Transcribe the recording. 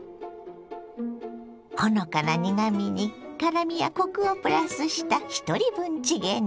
ほのかな苦みに辛みやコクをプラスしたひとり分チゲに。